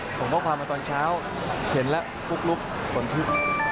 ผมบอกความว่าตอนเช้าเห็นแล้วปุ๊กลุ๊กผ่นที่